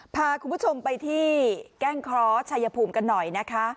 พาคุณผู้ชมไปที่แก้งเคราะห์ชายภูมิกันหน่อยนะคะ